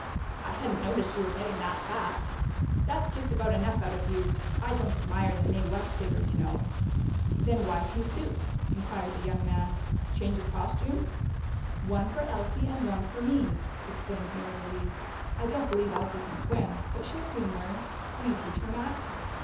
"I hadn't noticed you were getting that fat!" "That's just about enough out of you! I don't admire the Mae West figure, you know." "Then why two suits?" inquired the young man. "Change of costume?" "One for Elsie and one for me," explained Mary Louise. "I don't believe Elsie can swim, but she'll soon learn. Will you teach her, Max?"